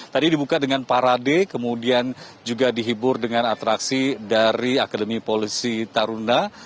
tadi dibuka dengan parade kemudian juga dihibur dengan atraksi dari akademi polisi taruna